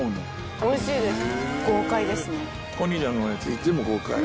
おいしいです。